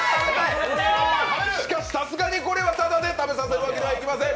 しかし、さすがにこれはただで食べさせるわけにはいきません。